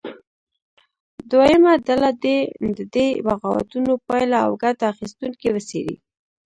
دویمه ډله دې د دې بغاوتونو پایلې او ګټه اخیستونکي وڅېړي.